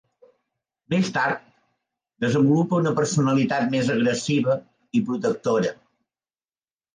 Més tard desenvolupa una personalitat més agressiva i protectora.